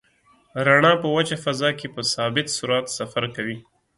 رڼا په وچه فضا کې په ثابت سرعت سفر کوي.